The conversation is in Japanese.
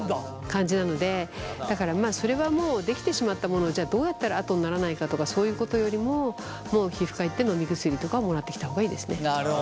感じなのでだからそれはもうできてしまったものをじゃあどうやったら跡にならないかとかそういうことよりももう皮膚科行って飲み薬とかをもらってきた方がいいですね。